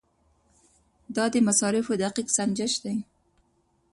دا د مصارفو دقیق سنجش دی.